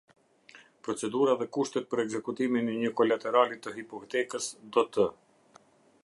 Procedura dhe kushtet për ekzekutimin e një kolaterali të hipotekës do të.